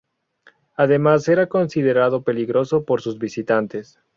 Además, era considerado peligroso por sus visitantes.